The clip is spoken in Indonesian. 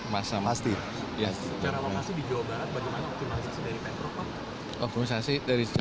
masa pasti ya cara memasuki jawa barat bagaimana optimalisasi dari pembroke